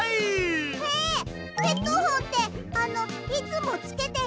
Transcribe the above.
えっヘッドホンってあのいつもつけてる？